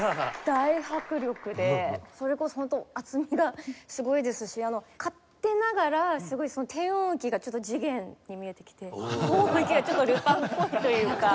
大迫力でそれこそホント厚みがすごいですし勝手ながらすごい低音域がちょっと次元に見えてきて高音域がちょっとルパンっぽいというか。